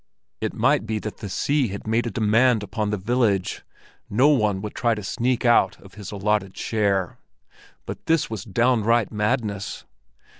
It might be that the sea had made a demand upon the village—no one would try to sneak out of his allotted share; but this was downright madness!